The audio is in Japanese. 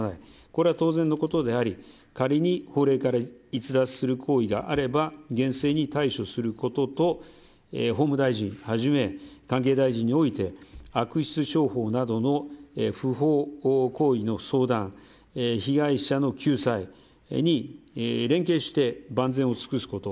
これは当然のことであり仮に法令から逸脱する行為があれば厳正に対処することと法務大臣をはじめ関係大臣において悪質商法などの不法行為の相談被害者の救済に連携して万全を尽くすこと。